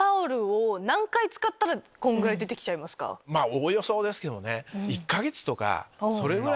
おおよそですけども。